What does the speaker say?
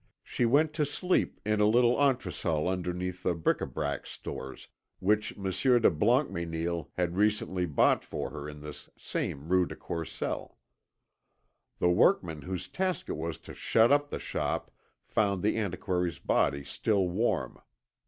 She went to sleep in a little entresol underneath the bric a brac stores which Monsieur de Blancmesnil had recently bought for her in this same Rue de Courcelles. The workman whose task it was to shut up the shop found the antiquary's body still warm.